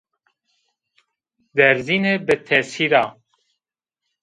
Derzîne bitesîr a